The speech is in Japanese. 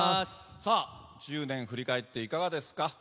さあ１０年振り返っていかがですか。